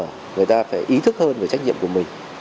có thể ý thức hơn về trách nhiệm của mình